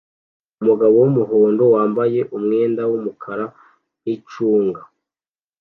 Umugabo wumuhondo wambaye umwenda wumukara nicunga